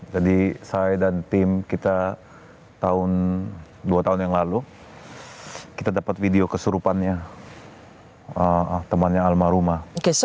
jadi saya dan tim kita dua tahun yang lalu kita dapat video kesurupannya temannya alma rumah